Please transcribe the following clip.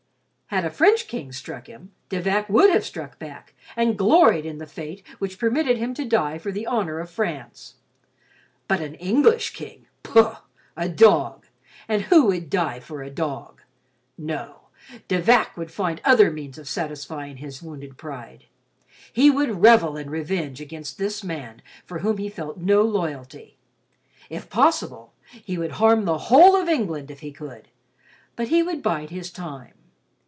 Had a French king struck him, De Vac would have struck back, and gloried in the fate which permitted him to die for the honor of France; but an English King—pooh! a dog; and who would die for a dog? No, De Vac would find other means of satisfying his wounded pride. He would revel in revenge against this man for whom he felt no loyalty. If possible, he would harm the whole of England if he could, but he would bide his time.